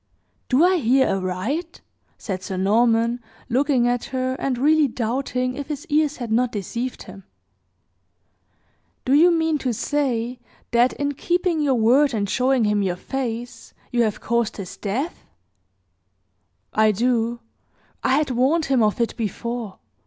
"Do I hear aright?" said Sir Norman, looking at her, and really doubting if his ears had not deceived him. "Do you mean to say that, in keeping your word and showing him your face, you have caused his death?" "I do. I had warned him of it before.